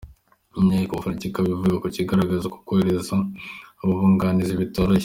Inteko iburanisha ikaba ivuga ko bigaragaza ko korohereza aba bunganizi bitoroshye.